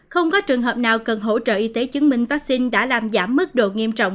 không có trường hợp nào cần hỗ trợ y tế chứng minh vaccine đã làm giảm mức độ nghiêm trọng